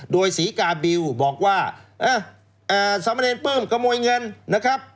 โดยศรีกาบิวบอกว่าเอ่อเอ่อสามเมรินปื้มกระโมยเงินนะครับ